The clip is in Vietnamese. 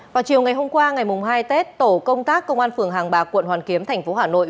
vào chiều ngày hôm qua ngày hai tết tổ công tác công an phường hàng bà quận hoàn kiếm tp hà nội